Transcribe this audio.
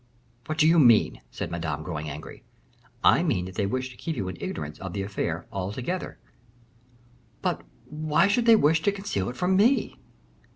"What do you mean?" said Madame, growing angry. "I mean that they wished to keep you in ignorance of the affair altogether." "But why should they wish to conceal it from me?"